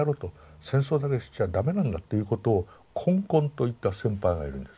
戦争だけしちゃ駄目なんだということを懇々と言った先輩がいるんです。